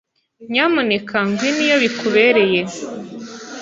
Nyamuneka ngwino iyo bikubereye.